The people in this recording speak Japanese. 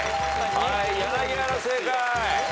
柳原正解。